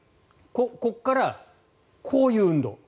ここから、こういう運動。